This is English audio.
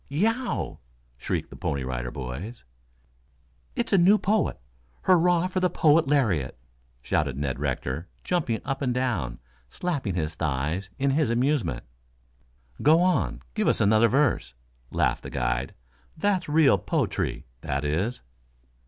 "Yeow!" shrieked the Pony Rider Boys. "It's a new poet. Hurrah for the poet lariat!" shouted Ned Rector, jumping up and down, slapping his thighs in his amusement. "Go on, give us another verse," laughed the guide. "That's real po'try that is."